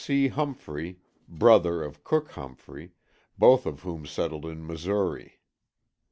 C. Humphrey, brother of Cook Humphrey; both of whom settled in Missouri.